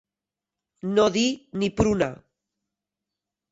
No dir ni pruna.